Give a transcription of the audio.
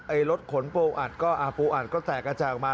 ไอ้รถขนปูอัดก็อาฟลูอัดก็แตกอาจากมา